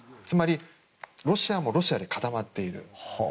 つまりロシアもロシアで固まっている。